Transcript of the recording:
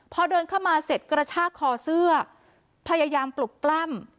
พอเดินเข้ามาเสร็จกระชากคอเสื้อพยายามปลุกปล้ำ